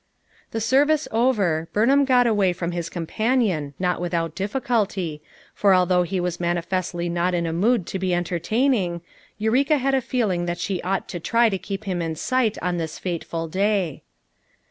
» The service ovor, Burnlmm got away from his companion, not without (Hflicully, for although lie was manifestly not in a mood to he enter taining, Eureka had a feeling that she ought to try to keep him in sight on this fateful day.